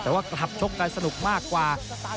แต่ว่ากลับชกกันสนุกมากกว่า